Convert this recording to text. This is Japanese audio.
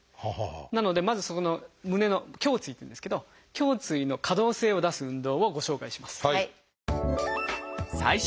なのでまずそこの胸の「胸椎」っていうんですけど胸椎の可動性を出す運動をご紹介します。